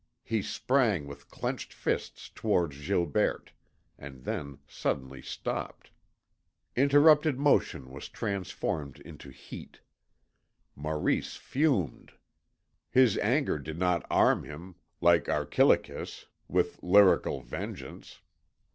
He sprang with clenched fists towards Gilberte, and then suddenly stopped. Interrupted motion was transformed into heat. Maurice fumed. His anger did not arm him, like Archilochus, with lyrical vengeance.